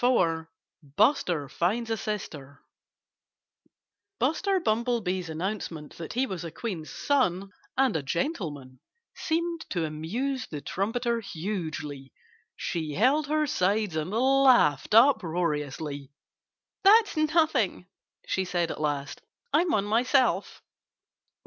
IV BUSTER FINDS A SISTER Buster Bumblebee's announcement that he was a queen's son and a gentleman seemed to amuse the trumpeter hugely. She held her sides and laughed uproariously. "That's nothing!" she said at last. "I'm one myself!"